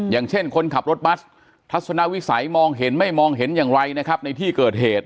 อย่างเช่นคนขับรถบัสทัศนวิสัยมองเห็นไม่มองเห็นอย่างไรนะครับในที่เกิดเหตุ